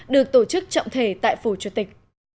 được tổ chức trọng thể tại phủ chủ tịch